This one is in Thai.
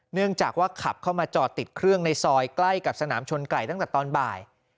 เนื่องจากว่าขับเข้ามาจอดติดเครื่องในซอยใกล้กับสนามชนไก่ตั้งแต่ตอนบ่าย